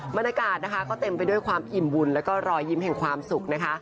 บรรยากาศก็เต็มไปด้วยความอิ่มบุญและรอยยิ้มแห่งความสุข